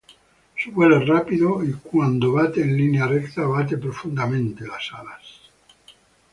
Su vuelo es rápido, y cuando va en línea recta bate profundamente las alas.